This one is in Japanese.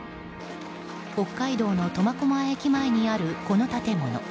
北海道の苫小牧駅前にあるこの建物。